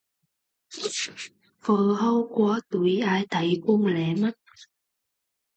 Vợ hầu của tui ai thấy cũng lé mắt